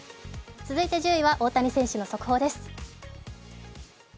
続いて１０位は大谷選手の速報です。